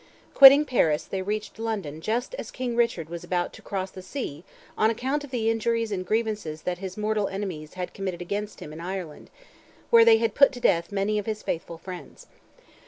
Quitting Paris they reached London just as King Richard was about "to cross the sea on account of the injuries and grievances that his mortal enemies had committed against him in Ireland, where they had put to death many of his faithful friends."